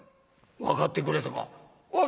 分かってくれたか？